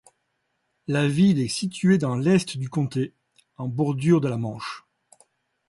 La ville est située dans l'est du comté, en bordure de la Manche.